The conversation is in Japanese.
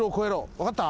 わかった？